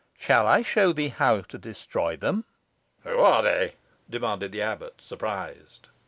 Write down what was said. Shall I show thee how to destroy them?" "Who are they?" demanded the abbot, surprised.